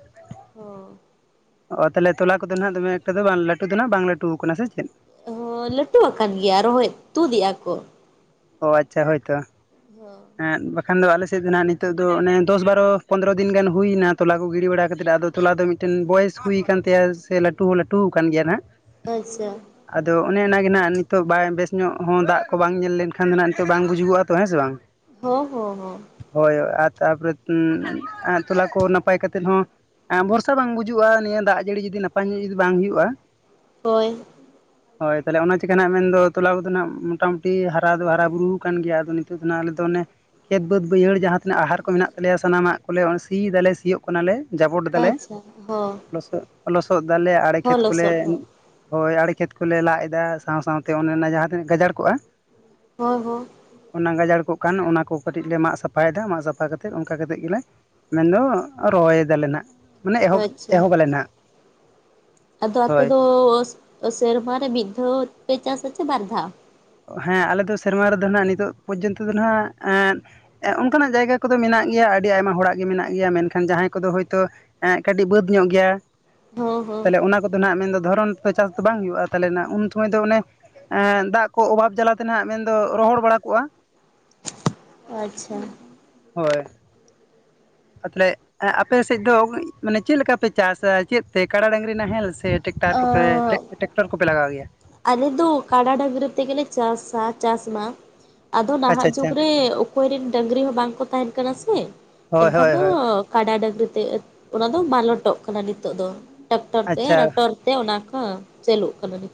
ᱚ ᱛᱟᱦᱚᱞᱮ ᱛᱚᱞᱟ ᱠᱚᱫᱚ ᱱᱟᱜ ᱫᱚᱢᱮ ᱮᱠᱴᱟ ᱫᱚ ᱵᱟᱝ ᱞᱟᱹᱴᱩ ᱫᱚ ᱱᱟᱸᱜ ᱵᱟᱝ ᱞᱟᱹᱴᱩ ᱠᱟᱱᱟ ᱥᱮ ᱪᱮᱫ ᱾ ᱦᱚᱭ ᱞᱟᱹᱴᱩᱣᱟ ᱟᱠᱟᱱ ᱜᱮᱭᱟ ᱨᱚᱦᱚᱭ ᱛᱩᱫᱮᱜᱭᱟᱠᱚ ᱾ ᱚ ᱟᱪᱪᱷᱟ ᱦᱳᱭᱛᱚ ᱾ [inaudible] ᱮ ᱵᱟᱠᱷᱟᱱ ᱫᱚ ᱟᱞᱮᱥᱮᱫ ᱫᱚ ᱱᱟᱸᱜ ᱱᱤᱛᱚᱜ ᱫᱚ ᱚᱱᱮ ᱫᱚᱥ ᱵᱟᱨᱚ ᱯᱚᱸᱫᱽᱨᱚ ᱫᱤᱱ ᱜᱟᱱ ᱦᱩᱭᱱᱟ ᱛᱚᱞᱟ ᱠᱚ ᱜᱤᱰᱤ ᱵᱟᱲᱟ ᱠᱟᱛᱮᱫ ᱟᱫᱚ ᱾ ᱛᱚᱞᱟ ᱫᱚ ᱢᱤᱫᱴᱮᱱ ᱵᱚᱭᱮᱥ ᱦᱩᱭᱠᱟᱱ ᱛᱟᱭᱟ ᱥᱮ ᱞᱟᱹᱴᱩ ᱦᱚᱸ ᱞᱟᱹᱴᱩ ᱣᱟᱠᱟᱱ ᱜᱮᱭᱟ ᱱᱟᱸᱜ ᱾ ᱟᱪᱪᱷᱟ ᱾ ᱟᱫᱚ ᱚᱱᱮ ᱚᱱᱟᱜᱮ ᱦᱟᱸᱜ ᱱᱤᱛᱚᱜ ᱵᱟᱭ ᱵᱮᱥ ᱧᱚᱜ ᱦᱚᱸ ᱫᱟᱜ ᱠᱚ ᱵᱟᱝ ᱧᱮᱞ ᱞᱮᱱᱠᱷᱟᱱ ᱫᱚ ᱱᱟᱸᱜ ᱵᱟᱝ ᱵᱩᱡᱩᱜᱚᱜᱼᱟ ᱛᱚ ᱦᱮᱸ ᱥᱮ ᱵᱟᱝ? ᱦᱚᱸ ᱦᱚᱸ ᱦᱚᱸ ᱾ ᱦᱳᱭ ᱟᱨ ᱛᱟᱯᱚᱨᱮ ᱛᱚᱞᱟ ᱠᱚ ᱱᱟᱯᱟᱭ ᱠᱟᱛᱮᱫ ᱦᱚᱸ ᱵᱷᱚᱨᱥᱟ ᱵᱟᱝ ᱵᱩᱡᱩᱜ-ᱟ ᱱᱤᱭᱟᱹ ᱫᱟᱜ ᱡᱟᱹᱲᱤ ᱡᱩᱫᱤ ᱱᱟᱯᱟᱭ ᱧᱚᱜ ᱡᱩᱫᱤ ᱵᱟᱝ ᱦᱩᱭᱩᱜ-ᱟ ᱾ ᱦᱳᱭ, ᱦᱳᱭ ᱛᱟᱦᱞᱮ ᱚᱱᱟ ᱪᱤᱠᱟ ᱱᱦᱟᱸᱜ ᱢᱮᱱᱫᱚ ᱛᱚᱞᱟ ᱠᱚᱫᱚ ᱱᱦᱟᱸᱜ ᱢᱚᱴᱟᱢᱩᱴᱤ ᱦᱟᱨᱟ ᱫᱚ ᱦᱟᱨᱟ ᱵᱩᱨᱩᱣ ᱠᱟᱱ ᱜᱮᱭᱟ ᱟᱫᱚ ᱱᱤᱛᱚᱜ ᱫᱚ ᱱᱦᱟᱸᱜ ᱾ ᱛᱚ ᱚᱱᱮ ᱠᱷᱮᱛ ᱵᱟᱹᱫᱽ ᱵᱟᱹᱭᱦᱟᱹᱲ ᱡᱟᱦᱟᱸ ᱛᱤᱱᱟᱹᱜ ᱟᱦᱟᱨ ᱠᱚ ᱢᱮᱱᱟᱜ ᱛᱟᱞᱮᱭᱟ ᱥᱟᱱᱟᱢᱟᱜ ᱠᱚᱞᱮ ᱥᱤᱭ ᱫᱟᱞᱮ ᱥᱤᱭᱚᱜ ᱠᱚ ᱱᱟᱞᱮ ᱡᱟᱵᱚᱴ ᱫᱟᱞᱮ ᱟᱪᱪᱷᱟ ᱦᱚᱸ ᱞᱚᱥᱚᱫ ᱫᱟᱞᱮ ᱟᱲᱮ ᱦᱚᱸ ᱠᱷᱮᱛ ᱠᱚᱞᱮ ᱞᱚᱥᱚᱫ ᱦᱚᱸ ᱦᱳᱭ ᱟᱲᱮ ᱠᱷᱮᱛ ᱠᱚᱞᱮ ᱞᱟᱜ ᱮᱫᱟ ᱥᱟᱶ ᱥᱟᱶᱛᱮ ᱚᱱᱮ ᱚᱱᱟ ᱡᱟᱦᱟᱸ ᱛᱤᱱᱟᱹᱜ ᱜᱟᱡᱟᱲ ᱠᱚᱜ-ᱟ ᱦᱳᱭ ᱦᱳ ᱾ ᱚᱱᱟ ᱜᱟᱡᱟᱲ ᱠᱚᱜ ᱠᱟᱱ ᱚᱱᱟ ᱠᱚ ᱠᱟᱹᱴᱤᱡ ᱞᱮ ᱢᱟᱜ ᱥᱟᱯᱷᱟᱭ ᱫᱟ, ᱢᱟᱜ ᱥᱟᱯᱷᱟ ᱠᱟᱛᱮᱫ ᱚᱱᱠᱟ ᱠᱟᱛᱮᱫ ᱜᱮᱞᱮ ᱢᱮᱱᱫᱚ ᱨᱚᱦᱚᱭ ᱫᱟᱞᱮ ᱱᱟᱦᱟᱸᱜ ᱢᱟᱱᱮ ᱮᱦᱚᱵ ᱟᱪᱪᱷᱟ ᱮᱦᱚᱵ ᱟᱞᱮ ᱱᱟᱦᱟᱸᱜ᱾ ᱟᱫᱚ ᱟᱯᱮ ᱫᱚ ᱥᱮᱨᱢᱟ ᱨᱮ ᱢᱤᱫ ᱫᱷᱟᱣ ᱯᱮ ᱪᱟᱥ ᱟᱪᱮ ᱵᱟᱨ ᱫᱷᱟᱣ? ᱦᱮᱸ ᱟᱞᱮ ᱫᱚ ᱥᱮᱨᱢᱟ ᱨᱮᱫᱚ ᱱᱟᱸᱜ ᱱᱤᱛᱚᱜ ᱯᱚᱨᱡᱚᱱᱛᱚ ᱫᱚ ᱱᱟᱸᱜ ᱮ ᱚᱱᱠᱟᱱᱟᱜ ᱡᱟᱭᱜᱟ ᱠᱚᱫᱚ ᱢᱮᱱᱟᱜ ᱜᱮᱭᱟ ᱟᱹᱰᱤ ᱟᱭᱢᱟ ᱦᱚᱲᱟᱜ ᱜᱮ ᱢᱮᱱᱟᱜ ᱜᱮᱭᱟ ᱢᱮᱱᱠᱷᱟᱱ ᱡᱟᱦᱟᱸᱭ ᱠᱚᱫᱚ ᱦᱳᱭᱛᱳ ᱮ ᱠᱟᱹᱴᱤᱡ ᱵᱟᱹᱫᱽ ᱧᱚᱜ ᱜᱮᱭᱟ, ᱦᱚᱸ ᱦᱚᱸ ᱛᱟᱦᱚᱞᱮ ᱚᱱᱟ ᱠᱚ ᱫᱚ ᱱᱟᱦᱟᱸᱜ ᱢᱮᱱᱫᱚ ᱫᱷᱚᱨᱚᱱ ᱛᱚ ᱪᱟᱥ ᱫᱚ ᱵᱟᱝ ᱦᱩᱭᱩᱜ-ᱟ ᱛᱟᱦᱚᱞᱮ ᱱᱟᱜ ᱩᱱ ᱥᱚᱢᱚᱭ ᱫᱚ ᱚᱱᱮ ᱮᱸᱻ ᱫᱟᱜ ᱠᱚ ᱚᱵᱷᱟᱵ ᱡᱟᱞᱟᱛᱮ ᱱᱟᱦᱟᱸᱜ ᱢᱮᱱᱫᱚ ᱨᱚᱦᱚᱲ ᱵᱟᱲᱟ ᱠᱚᱜᱼᱟ ᱾ ᱟᱪᱪᱷᱟ ᱾ ᱦᱳᱭ ᱾ ᱟ ᱛᱟᱦᱚᱞᱮ ᱟᱯᱮ ᱥᱮᱫ ᱫᱚ ᱢᱟᱱᱮ ᱪᱮᱫ ᱞᱮᱠᱟ ᱯᱮ ᱪᱟᱥᱟ ᱪᱮᱫ ᱛᱮ ᱠᱟᱲᱟ ᱰᱟᱝᱨᱤ ᱱᱟᱦᱮᱞ ᱥᱮ ᱴᱮᱠᱴᱟᱨ ᱠᱚᱯᱮ ᱚᱸᱻ ᱴᱟᱠ-ᱴᱮᱠᱴᱚᱨ ᱠᱚᱯᱮ ᱞᱟᱜᱟᱣ ᱜᱮᱭᱟ? ᱟᱞᱮ ᱫᱚ ᱠᱟᱰᱟ ᱰᱟᱹᱝᱨᱤ ᱛᱮᱜᱮᱞᱮ ᱪᱟᱥᱟ ᱪᱟᱥ ᱢᱟ, ᱟᱫᱚ ᱟᱪᱪᱷᱟ ᱱᱟᱦᱟᱜ ᱟᱪᱪᱷᱟ ᱡᱩᱜᱽ ᱨᱮ ᱚᱠᱚᱭ ᱨᱮᱱ ᱰᱟᱹᱝᱨᱤ ᱦᱚᱸ ᱵᱟᱝ ᱠᱚ ᱛᱟᱦᱮᱱ ᱠᱟᱱᱟ ᱥᱮ ᱦᱳᱭ ᱮᱱᱠᱷᱟᱱ ᱦᱳᱭ ᱫᱚ ᱦᱳᱭ ᱠᱟᱰᱟ ᱰᱟᱹᱝᱨᱤ ᱛᱮ ᱚᱱᱟ ᱫᱚ ᱢᱟᱞᱚᱴᱚᱜ ᱠᱟᱱᱟ ᱱᱤᱛᱚᱜ ᱫᱚ ᱴᱟᱠᱴᱚᱨ ᱛᱮ ᱟᱪᱪᱷᱟ ᱨᱚᱴᱚᱨ ᱛᱮ ᱚᱱᱟ ᱠᱚ ᱪᱟᱹᱞᱩᱜ ᱠᱟᱱᱟ ᱱᱤᱛ ᱾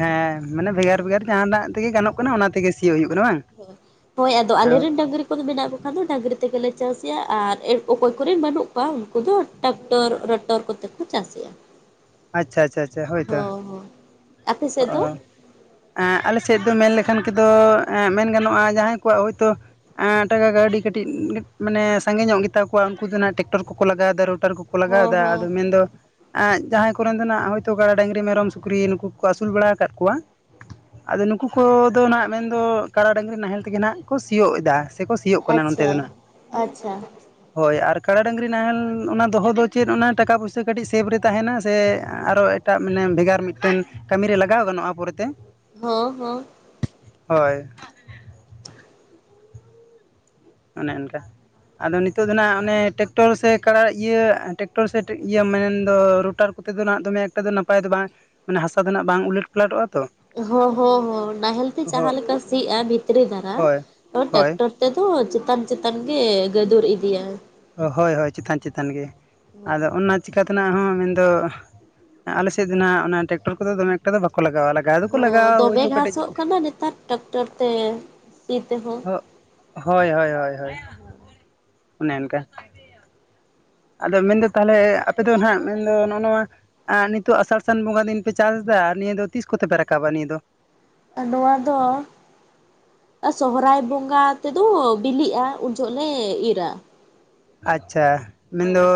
ᱦᱮᱸ ᱢᱟᱱᱮ ᱵᱷᱮᱜᱟᱨ ᱵᱷᱮᱜᱟᱨ ᱡᱟᱦᱟᱸᱱᱟᱜ ᱛᱮᱜᱮ ᱜᱟᱱᱚᱜ ᱠᱟᱱᱟ ᱚᱱᱟ ᱛᱮᱜᱮ ᱥᱤᱭᱳᱜ ᱦᱩᱭᱩᱜ ᱠᱟᱱᱟ ᱵᱟᱝ! ᱦᱳ ᱦᱳᱭ ᱟᱫᱚ ᱟᱞᱮᱨᱮᱱ ᱰᱟᱝᱨᱤ ᱠᱚ ᱫᱚ ᱢᱮᱱᱟᱜ ᱠᱚ ᱠᱷᱟᱱ ᱫᱚ ᱰᱟᱝᱨᱤ ᱛᱮᱜᱮᱞᱮ ᱪᱟᱥ ‌ᱮᱭᱟ ᱟᱨ ᱮ ᱚᱠᱚᱭ ᱠᱚᱨᱤᱱ ᱵᱟᱹᱱᱩᱜ ᱠᱚᱣᱟ ᱩᱱᱠᱩ ᱫᱚ ᱴᱟᱠᱴᱚᱨ ᱨᱚᱴᱚᱨ ᱠᱚᱛᱮ ᱠᱚ ᱪᱟᱥᱮᱜᱼᱟ ᱾ ᱟᱪᱪᱷᱟ ᱪᱷᱟ ᱪᱷᱟ ᱦᱳᱭᱛᱚ ᱾ ᱦᱳᱭ ᱾ ᱚ ᱾ ᱟᱸ ᱟᱞᱮ ᱥᱮᱫ ᱫᱚ ᱢᱮᱱ ᱞᱮᱠᱷᱟᱱ ᱠᱮᱫᱚ ᱢᱮᱱ ᱜᱟᱱᱚᱜᱼᱟ ᱡᱟᱦᱟᱸᱭ ᱠᱚᱣᱟᱜ ᱦᱳᱭ ᱛᱚ ᱮᱸ ᱴᱟᱠᱟ ᱠᱟᱹᱣᱰᱤ ᱠᱟᱹᱴᱤᱡ ᱢᱟᱱᱮ ᱥᱟᱸᱜᱮ ᱧᱚᱜ ᱜᱮᱛᱟ ᱠᱚᱣᱟ ᱩᱱᱠᱩ ᱫᱚ ᱱᱟᱦᱟᱸᱜ ᱴᱮᱠᱴᱚᱨ ᱠᱚᱠᱚ ᱞᱟᱜᱟᱣ ᱫᱟ ᱨᱳᱴᱟᱨ ᱠᱚ ᱞᱟᱜᱟᱣ ᱦᱚᱸ ᱫᱟ ᱦᱚᱸ ᱟᱫᱚ ᱢᱮᱱᱫᱚ ᱟᱸ ᱡᱟᱦᱟᱸᱭ ᱠᱚᱨᱮᱱ ᱫᱚ ᱱᱟᱜ ᱦᱳᱭᱛᱳ ᱠᱟᱲᱟ ᱰᱟᱹᱝᱨᱤ ᱢᱮᱨᱚᱢ ᱥᱩᱠᱨᱤ ᱱᱩᱠᱩ ᱠᱚ ᱟᱹᱥᱩᱞ ᱵᱟᱲᱟ ᱟᱠᱟᱫ ᱠᱚᱣᱟ ᱟᱫᱚ ᱱᱩᱠᱩ ᱠᱚᱫᱚ ᱱᱟᱸᱜ ᱢᱮᱱᱫᱚ ᱠᱟᱲᱟ ᱰᱟᱹᱝᱨᱤ ᱱᱟᱦᱮᱞ ᱛᱮᱜᱮ ᱱᱟᱸᱜ ᱠᱚ ᱥᱤᱭᱳᱜ ᱮᱫᱟ ᱾ ᱥᱮᱠᱚ ᱥᱤᱭᱳᱜ ᱠᱟᱱᱟ ᱱᱚᱱᱛᱮ ᱟᱪᱪᱷᱟ ᱫᱚ ᱱᱟᱦᱟᱸᱜ ᱟᱪᱪᱷᱟ ᱾ ᱦᱳᱭ ᱟᱨ ᱠᱟᱰᱟ ᱰᱟᱹᱝᱨᱤ ᱱᱟᱦᱮᱞ ᱚᱱᱟ ᱫᱚᱦᱚ ᱫᱚ ᱪᱮᱫ ᱚᱱᱟ ᱴᱟᱠᱟ ᱯᱩᱭᱥᱟᱹ ᱠᱟᱹᱴᱤᱡ ᱥᱮᱵᱷ ᱨᱮ ᱛᱟᱦᱮᱱᱟ ᱥᱮ ᱟᱨᱚ ᱮᱴᱟᱜ ᱢᱟᱱᱮ ᱵᱷᱮᱜᱟᱨ ᱢᱤᱫᱴᱮᱱ ᱠᱟᱹᱢᱤᱨᱮ ᱞᱟᱜᱟᱣ ᱜᱟᱱᱚᱜᱼᱟ ᱯᱚᱨᱮᱛᱮ ᱾ ᱦᱚ ᱦᱚ ᱾ ᱦᱳᱭ ᱾ ᱚᱱᱮ ᱚᱱᱠᱟ ᱟᱫᱚ ᱱᱤᱛᱚᱜ ᱫᱚ ᱱᱟᱦᱟᱸᱜ ᱚᱱᱮ ᱴᱮᱠ ᱴᱚᱨ ᱥᱮ ᱠᱟᱲᱟ ᱤᱭᱟᱹ ᱴᱮᱠᱴᱚᱨ ᱥᱮ ᱤᱭᱟᱹ ᱢᱮᱱᱫᱚ ᱨᱳᱴᱟᱨ ᱠᱚᱛᱮ ᱫᱚ ᱱᱟᱦᱟᱸᱜ ᱫᱚᱢᱮ ᱮᱠᱴᱟ ᱫᱚ ᱱᱟᱯᱟᱭ ᱫᱚ ᱵᱟᱝ ᱢᱟᱱᱮ ᱦᱟᱥᱟ ᱫᱚ ᱱᱟᱸᱜ ᱵᱟᱝ ᱩᱞᱟᱹᱴ ᱯᱟᱞᱟᱴᱚᱜᱼᱟ ᱛᱚ ᱾ ᱦᱚᱸ ᱦᱚᱸ ᱦᱚᱸ ᱱᱟᱦᱮᱞ ᱛᱮ ᱡᱟᱦᱟ ᱞᱮᱠᱟ ᱥᱤᱜᱼᱟ ᱵᱷᱤᱛᱨᱤ ᱫᱷᱟᱨᱟ ᱦᱳᱭ ᱦᱳᱭ ᱴᱮᱠᱴᱚᱨ ᱛᱮᱫᱚ ᱪᱮᱛᱟᱱ ᱪᱮᱛᱟᱱ ᱜᱮ ᱜᱟᱹᱫᱩᱨ ᱤᱫᱤᱭᱟ᱾ ᱦᱳᱭ ᱦᱳᱭ ᱪᱮᱛᱟᱱ ᱪᱮᱛᱟᱱ ᱜᱮ, ᱟᱫᱚ ᱚᱱᱟ ᱪᱤᱠᱟ ᱛᱮᱱᱟᱜ ᱦᱚᱸ ᱢᱮᱱᱫᱚ ᱟᱞᱮᱥᱮᱫ ᱫᱚ ᱱᱟᱦᱟᱸᱜ ᱚᱱᱟ ᱴᱮᱠᱴᱚᱨ ᱠᱚᱫᱚ ᱫᱚᱢ ᱮᱠᱴᱟ ᱫᱚ ᱵᱟᱠᱚ ᱞᱟᱜᱟᱣᱼᱟ ᱦᱚᱸ ᱫᱚᱢᱮ ᱜᱷᱟᱥᱚᱜ ᱠᱟᱱᱟ ᱱᱮᱛᱟᱨ ᱴᱟᱠᱴᱚᱨ ᱛᱮ ᱥᱤ ᱛᱮᱦᱚᱸ᱾ ᱦᱳᱭ ᱦᱳᱭ ᱦᱳᱭ ᱦᱳᱭ ᱚᱱᱮ ᱚᱱᱠᱟ ᱾ ᱟᱫᱚ ᱢᱮᱱᱫᱚ ᱛᱟᱦᱚᱞᱮ ᱟᱯᱮ ᱫᱚ ᱱᱟᱜ ᱢᱮᱱᱫᱚ ᱱᱚᱜᱼᱚ ᱱᱚᱣᱟ ᱟᱨ ᱱᱤᱛᱚᱜ ᱟᱥᱟᱲ ᱥᱟᱱ ᱵᱚᱸᱜᱟ ᱫᱤᱱ ᱯᱮ ᱪᱟᱥᱫᱟ ᱱᱤᱭᱟᱹ ᱫᱚ ᱛᱤᱥ ᱠᱚᱛᱮ ᱯᱮ ᱨᱟᱠᱟᱵᱟ ᱱᱤᱭᱟᱹ ᱫᱚ? ᱱᱚᱣᱟ ᱫᱚ ᱟᱨ ᱥᱚᱦᱚᱨᱟᱭ ᱵᱚᱸᱜᱟ ᱛᱮ ᱫᱚ ᱵᱤᱞᱤᱜᱼᱟ ᱩᱱ ᱡᱚᱦᱚᱜ ᱞᱮ ᱤᱨᱟ᱾ ᱟᱪᱪᱷᱟ ᱢᱮᱱᱫᱚ ᱦᱚᱸ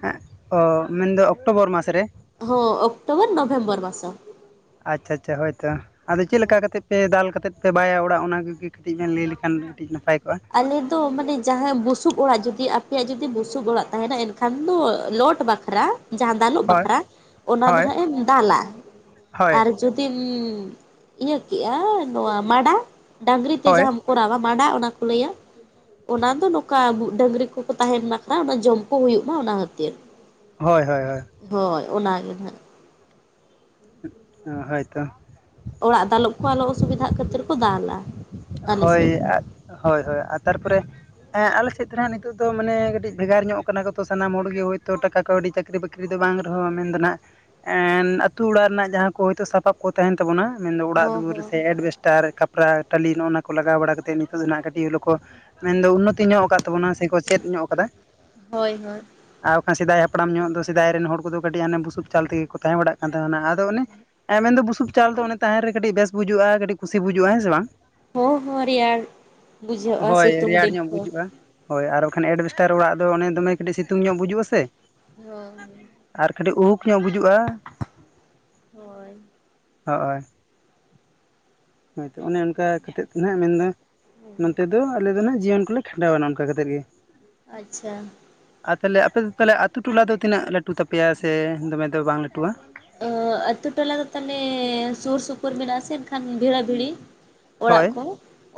ᱦᱮᱸ ᱚ ᱢᱮᱱ ᱫᱚ ᱚᱠᱴᱳᱚᱵᱚᱨ ᱢᱟᱥ ᱨᱮ? ᱦᱚᱸ ᱚᱠᱴᱳᱵᱚᱨ ᱱᱚᱵᱷᱮᱢᱵᱚᱨ ᱢᱟᱥ ᱟᱪᱪᱷᱟ ᱟᱪᱪᱷᱟ ᱦᱳᱭᱛᱚ ᱟᱫᱚ ᱪᱮᱫ ᱞᱮᱠᱟ ᱠᱟ ᱠᱟᱛᱮᱫ ᱯᱮ ᱫᱟᱞ ᱠᱟᱛᱮᱫ ᱵᱟᱭᱟ ᱚᱲᱟᱜ ᱚᱱᱟ ᱠᱚ ᱜᱤ ᱠᱟᱹᱴᱤᱡ ᱵᱮᱱ ᱞᱟᱹᱭ ᱞᱮᱠᱷᱟᱱ ᱠᱟᱹᱴᱤᱡ ᱱᱟᱯᱟᱭ ᱠᱚᱜᱼᱟ? ᱟᱞᱮ ᱫᱚ ᱢᱟᱱᱮ ᱡᱟᱦᱟᱸ ᱵᱩᱥᱩᱵ ᱚᱲᱟᱜ ᱡᱩᱫᱤ ᱟᱯᱮᱭᱟᱜ ᱡᱩᱫᱤ ᱵᱩᱥᱩᱵ ᱚᱲᱟᱜ ᱛᱟᱦᱮᱱᱟ, ᱮᱱᱠᱷᱟᱱ ᱫᱚ ᱞᱳᱰ ᱵᱟᱠᱷᱨᱟ ᱡᱟᱦᱟᱸ ᱫᱟᱞᱳᱜ ᱦᱳᱭ ᱵᱟᱠᱷᱨᱟ ᱚᱱᱟ ᱫᱚ ᱦᱳᱭ ᱦᱟᱸᱜ ᱮᱢ ᱫᱟᱞᱟ ᱦᱳᱭ ᱟᱨ ᱡᱩᱫᱤᱢ ᱤᱭᱟᱹ ᱠᱮᱜᱼᱟ ᱱᱚᱣᱟ ᱢᱟᱸᱰᱟ, ᱰᱟᱝᱨᱤ ᱛᱮ ᱦᱳᱭ ᱡᱟᱦᱟᱸ ᱠᱚᱨᱟᱣᱟ ᱢᱟᱸᱰᱟ ᱚᱱᱟ ᱠᱚ ᱞᱟᱹᱭᱟ ᱚᱱᱟ ᱫᱚ ᱱᱚᱝ ᱠᱟᱜ ᱰᱟᱹᱝᱨᱤ ᱠᱚᱠᱚ ᱛᱟᱦᱮᱱ ᱢᱟᱠᱷᱟᱱ ᱚᱱᱟ ᱡᱚᱢ ᱠᱚ ᱦᱩᱭᱩᱜ ᱢᱟ ᱚᱱᱟ ᱠᱷᱟᱹᱛᱤᱨ᱾ ᱦᱳᱭ ᱦᱳᱭ ᱦᱳᱭ ᱦᱳᱭ ᱚᱱᱟ ᱜᱮ ᱦᱟᱸᱜ ᱦᱳᱭ ᱛᱚ ᱚᱲᱟᱜ ᱫᱟᱞᱚᱵ ᱠᱚ ᱟᱞᱚ ᱚᱥᱩᱵᱤᱫᱷᱟᱜ ᱠᱷᱟᱹᱛᱤᱨ ᱠᱚ ᱫᱟᱞᱟ, ᱟᱞᱮ ᱥᱮᱱ ᱦᱳᱭ ᱫᱚ ᱦᱳᱭ, ᱦᱳᱭ ᱛᱟᱨᱯᱚᱨᱮ ᱦᱮᱸ ᱟᱞᱮ ᱥᱮᱫ ᱫᱚ ᱱᱟᱜ ᱱᱤᱛᱚᱜ ᱫᱚ ᱢᱟᱱᱮ ᱠᱟᱹᱴᱤᱡ ᱵᱷᱮᱜᱟᱨ ᱧᱚᱜ ᱠᱟᱱᱟᱛᱚ ᱥᱟᱱᱟᱢ ᱦᱚᱲ ᱜᱮ ᱦᱳᱭᱛᱳ ᱴᱟᱠᱟ ᱠᱟᱹᱣᱰᱤ ᱪᱟᱹᱠᱨᱤ ᱵᱟᱠᱨᱤ ᱪᱟᱹᱠᱨᱤ ᱫᱚ ᱵᱟᱝ ᱨᱮᱦᱚᱸ ᱢᱮᱱᱫᱚ ᱦᱟᱸᱜ ᱟᱛᱳ ᱚᱲᱟᱜ ᱨᱮᱱᱟᱜ ᱡᱟᱦᱟᱸ ᱠᱚ ᱦᱳᱭᱛᱳ ᱥᱟᱯᱟᱯ ᱠᱚ ᱛᱟᱦᱮᱱ ᱛᱟᱵᱩᱱᱟ ᱢᱮᱱ ᱫᱚ ᱚᱲᱟᱜ ᱦᱚᱸ ᱫᱩᱣᱟᱹᱨ ᱦᱚᱸ ᱥᱮ ᱮᱰᱵᱮᱥᱴᱟᱨ ᱠᱷᱟᱯᱨᱟ ᱴᱟᱹᱞᱤ ᱱᱚᱜ-ᱚ ᱱᱟᱣᱟ ᱠᱚ ᱞᱟᱜᱟᱣ ᱵᱟᱲᱟ ᱠᱟᱛᱮᱫ ᱱᱤᱛᱚᱜ ᱫᱚ ᱱᱟᱦᱟᱜ ᱠᱟᱹᱴᱤᱡ ᱦᱚᱞᱳ ᱠᱚ ᱢᱮᱱᱫᱚ ᱩᱱᱱᱚᱛᱤ ᱧᱚᱜ ᱟᱠᱟᱫ ᱛᱟᱵᱩᱱᱟ ᱥᱮ ᱠᱚ ᱪᱮᱫ ᱧᱚᱜ ᱟᱠᱟᱫᱟ ᱦᱳᱭ, ᱦᱳᱭ, ᱟᱨ ᱵᱟᱠᱷᱟᱱ ᱥᱮᱫᱟᱭ ᱦᱟᱯᱲᱟᱢ ᱧᱚᱜ ᱫᱚ ᱥᱮᱫᱟᱭ ᱨᱮᱱ ᱦᱚᱲ ᱠᱩᱫᱚ ᱠᱟᱹᱴᱤᱡ ᱦᱚᱱᱮ ᱵᱩᱥᱩᱵ ᱪᱟᱞ ᱛᱮᱜᱮᱠᱩ ᱛᱟᱦᱮᱸ ᱵᱟᱲᱟᱜ ᱠᱟᱱ ᱛᱟᱦᱮᱱᱟ ᱟᱫᱚ ᱚᱱᱮ ᱦᱮᱸ ᱢᱮᱱᱫᱚ ᱵᱩᱥᱩᱵ ᱪᱟᱞ ᱫᱚ ᱛᱟᱦᱮᱱ ᱨᱮ ᱠᱟᱹᱴᱤᱡ ᱵᱮᱥ ᱵᱩᱡᱩᱜᱼᱟ ᱠᱟᱹᱴᱤᱡ ᱠᱩᱥᱤ ᱵᱩᱡᱩᱜᱼᱟ ᱦᱮᱸ ᱥᱮ ᱵᱟᱝ? ᱦᱳ ᱦᱳᱸ ᱨᱮᱭᱟᱲ ᱵᱩᱡᱷᱟᱹᱜᱼᱟ ᱦᱳᱭ ᱥᱤᱛᱩᱝ ᱨᱮᱭᱟᱲ ᱫᱤᱱ ᱧᱚᱜ ᱠᱚ ᱵᱩᱡᱩᱜᱼᱟ ᱦᱳᱭ ᱟᱨ ᱵᱟᱠᱷᱟᱱ ᱮᱰᱵᱮᱥᱴᱟᱨ ᱚᱲᱟᱜ ᱫᱚ ᱚᱱᱮ ᱫᱚᱢᱮ ᱠᱟᱹᱴᱤᱡ ᱥᱤᱛᱩᱝ ᱧᱚᱜ ᱵᱩᱡᱩᱜᱼᱟ ᱥᱮ ᱦᱳᱭ ᱟᱨ ᱠᱟᱹᱴᱤᱡ ᱩᱦᱩᱠ ᱧᱚᱜ ᱵᱩᱡᱩᱜᱼᱟ, [unintelligible] ᱦᱚᱼᱳᱭ ᱦᱳᱭ ᱛᱚ ᱚᱱᱮ ᱚᱱᱠᱟ ᱠᱟᱛᱮᱫ ᱦᱟᱱᱟᱜ ᱢᱮᱱᱫᱚ ᱱᱚᱛᱮ ᱫᱚ ᱟᱞᱮ ᱫᱚ ᱱᱟᱱᱟᱜ ᱡᱤᱭᱚᱱ ᱠᱚᱞᱮ ᱠᱷᱟᱸᱰᱟᱣᱟ ᱚᱱᱠᱟ ᱠᱟᱛᱮᱫ ᱜᱮ ᱟᱪᱪᱷᱟ ᱟᱨ ᱛᱟᱦᱚᱞᱮ ᱟᱯᱮ ᱫᱚ ᱛᱟᱦᱚᱞᱮ ᱟᱛᱩ ᱴᱚᱞᱟ ᱫᱚ ᱛᱤᱱᱟᱹᱜ ᱞᱟᱹᱴᱩ ᱛᱟᱯᱮᱭᱟ ᱥᱮ ᱫᱚᱢᱮ ᱫᱚ ᱵᱟᱝ ᱞᱟᱹᱴᱩᱣᱟ? ᱟᱹ ᱟᱛᱩ ᱴᱚᱞᱟ ᱫᱚ ᱛᱟᱦᱚᱞᱮ ᱥᱩᱨ ᱥᱩᱯᱩᱨ ᱢᱮᱱᱟᱜ ᱟᱥᱮ ᱮᱱᱠᱷᱟᱱ ᱵᱷᱤᱲᱟ ᱵᱷᱤᱲᱤ,? ᱚᱲᱟᱜ ᱦᱳᱭ ᱠᱚ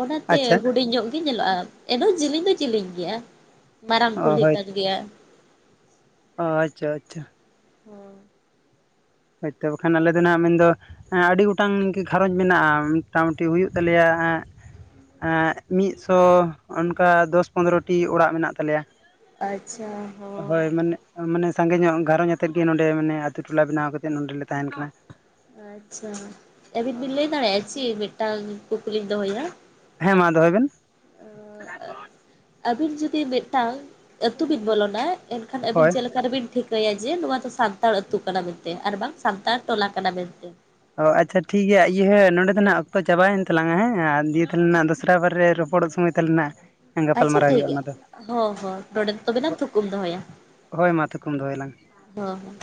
ᱚᱱᱟᱛᱮ ᱟᱪᱪᱷᱟ ᱦᱩᱰᱤᱧ ᱧᱚᱜ ᱜᱤ ᱧᱮᱞᱚᱜᱼᱟ ᱮᱱᱚ ᱡᱤᱞᱤᱧ ᱫᱚ ᱡᱤᱞᱤᱧ ᱜᱤᱭᱟ ᱢᱟᱨᱟᱝ ᱚ ᱠᱩᱞᱦᱤ ᱠᱟᱱ ᱜᱮᱭᱟ, ᱳ ᱟᱪᱪᱷᱟ ᱟᱪᱪᱷᱟ [inaudible] ᱦᱳᱭᱛᱚ ᱵᱟᱠᱷᱟᱱ ᱟᱞᱮ ᱫᱚ ᱱᱟᱜ ᱢᱮᱱ ᱫᱚ ᱟᱸᱻ ᱟᱹᱰᱤ ᱜᱚᱴᱟᱝ ᱜᱤ ᱜᱷᱟᱨᱚᱸᱡᱽ ᱢᱮᱱᱟᱜᱼᱟ ᱢᱳᱴᱟᱢᱩᱴᱤ ᱦᱩᱭᱩᱜ ᱛᱟᱞᱮᱭᱟ ᱦᱟ ᱟᱸᱻ ᱢᱤᱫᱥᱚ ᱚᱱᱠᱟ ᱫᱚᱥ ᱯᱚᱱᱨᱚᱴᱤ ᱚᱲᱟᱜ ᱢᱮᱱᱟᱜ ᱛᱟᱞᱮᱭᱟ᱾ ᱟᱪᱪᱷᱟ ᱦᱚᱸ ᱦᱳᱭ ᱢᱟᱱᱮ, ᱢᱟᱱᱮ ᱥᱟᱸᱜᱮ ᱧᱚᱜ ᱜᱷᱟᱨᱚᱧᱡᱽ ᱟᱛᱮ ᱜᱮ ᱱᱚᱸᱰᱮ ᱢᱟᱱᱮ ᱟᱛᱳ ᱴᱚᱞᱟ ᱵᱮᱱᱟᱣ ᱠᱟᱛᱮ ᱪᱮ ᱱᱚᱸᱰᱮᱞᱮ ᱛᱟᱦᱮᱱ ᱠᱟᱱᱟ, ᱟᱪᱪᱷᱟ ᱟᱹᱵᱤᱱ ᱵᱤᱱ ᱞᱟᱹᱭ ᱫᱟᱲᱮᱭᱟᱜᱼᱟ ᱪᱮ ᱢᱤᱫᱴᱟᱝ ᱠᱩᱠᱞᱤᱧ ᱫᱚᱦᱚᱭᱟ? ᱦᱮᱸ ᱢᱟ ᱫᱚᱦᱚᱭ ᱵᱮᱱ᱾ ᱟ-ᱟ ᱟᱹᱵᱤᱱ ᱡᱩᱫᱤ ᱢᱤᱫᱴᱟᱝ ᱟᱹᱛᱩ ᱵᱤᱱ ᱵᱚᱞᱚᱱᱟ ᱮᱱᱠᱷᱟᱱ ᱟᱹᱵᱤᱱ ᱦᱳᱭ ᱪᱮᱜ ᱞᱮᱠᱟ ᱨᱮᱵᱤᱱ ᱴᱷᱤᱠ ᱠᱟᱹᱭᱟ ᱡᱮ ᱱᱚᱣᱟ ᱫᱚ ᱥᱟᱱᱛᱟᱲ ᱟᱹᱛᱩ ᱠᱟᱱᱟ ᱢᱮᱱᱛᱮ ᱟᱨ ᱵᱟᱝ ᱥᱟᱱᱛᱟᱲ ᱴᱚᱞᱟ ᱠᱟᱱᱟ ᱢᱮᱱᱛᱮ? ᱚ ᱟᱪᱪᱷᱟ ᱴᱷᱤᱠᱜᱭᱟ ᱤᱭᱦᱟᱹ ᱱᱚᱸᱰᱮ ᱫᱚ ᱱᱟᱦᱟᱜ ᱚᱠᱛᱚ ᱪᱟᱵᱟᱭᱮᱱ ᱛᱟᱞᱟᱝᱟ ᱦᱮᱸ ᱟ ᱫᱤᱭᱟᱹᱛᱟᱞᱦᱮ ᱱᱟᱜ ᱫᱚᱥᱨᱟ ᱵᱟᱨ ᱨᱮ ᱨᱚᱯᱚᱲᱚᱜ ᱥᱚᱢᱚᱭ ᱛᱟᱞᱱᱟ ᱟᱪᱪᱷᱟ ᱴᱷᱤᱠ ᱜᱮᱭᱟ ᱦᱚᱸ ᱦᱚᱸ ᱱᱚᱸᱰᱮ ᱛᱚᱵᱮᱞᱟᱝ ᱛᱷᱩᱠᱟᱹᱢ ᱫᱚᱦᱚᱭᱟ᱾ ᱦᱳᱭ ᱢᱟ ᱛᱷᱩᱠᱩᱢ ᱫᱚᱦᱚᱭᱟᱞᱟᱝ᱾ ᱦᱚ ᱦᱚ